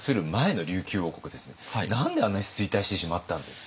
何であんなに衰退してしまったんですか？